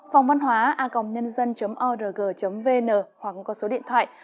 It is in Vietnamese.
phòngvănhoaacomnn org vn hoặc có số điện thoại hai mươi bốn ba mươi hai sáu trăm sáu mươi chín năm trăm linh tám